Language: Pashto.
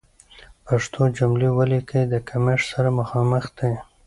پښتو جملې وليکئ، د کمښت سره مخامخ دي.